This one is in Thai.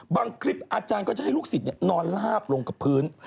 คลิปอาจารย์ก็จะให้ลูกศิษย์นอนลาบลงกับพื้น